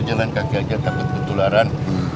jangan takut takut ketularan